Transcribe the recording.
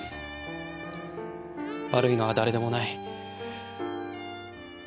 悪いのは誰でもない。